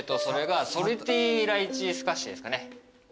それがソルティライチスカッシュですかね。